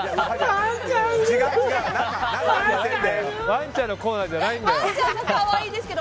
ワンちゃんのコーナーじゃないんだよ。